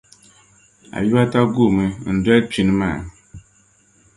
Abibata guumi n-doli kpina maa.